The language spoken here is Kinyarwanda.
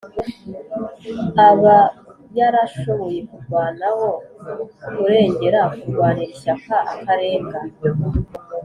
" a ba yarashoboye kurwanaho, kurengera, kurwanira ishyaka, akarenga